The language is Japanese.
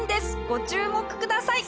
ご注目ください！